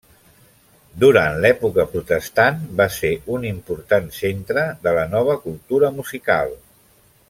Durant l'època protestant, va ser un important centre de la nova cultura musical.